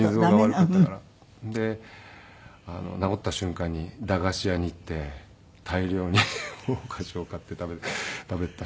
で治った瞬間に駄菓子屋に行って大量にお菓子を買って食べてたり。